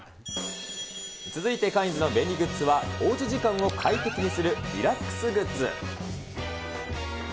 続いてカインズの便利グッズは、おうち時間を快適にするリラックスグッズ。